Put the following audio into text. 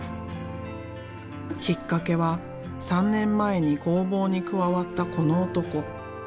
きっかけは３年前に工房に加わったこの男。